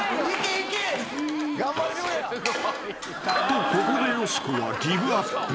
［とここでよしこはギブアップ］